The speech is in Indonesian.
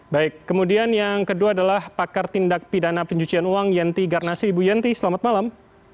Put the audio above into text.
baik kemudian yang kedua adalah pakar tindak pidana pencucian uang yenti garnasi ibu yenti selamat malam